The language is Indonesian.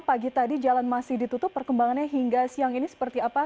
pagi tadi jalan masih ditutup perkembangannya hingga siang ini seperti apa